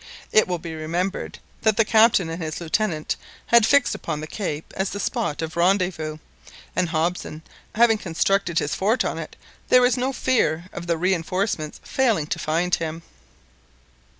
It will be remembered that the Captain and his Lieutenant had fixed upon the cape as the spot of rendezvous, and Hobson having constructed his fort on it, there was no fear of the reinforcements failing to find him.